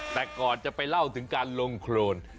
แต่ก่อนจะไปเล่าถึงการลงโครน